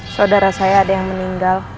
saudara saya ada yang meninggal